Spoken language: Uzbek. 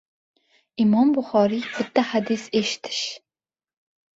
Imom Buxoriy bitta hadis eshitish